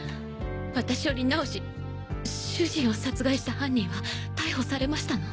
私より直志主人を殺害した犯人は逮捕されましたの？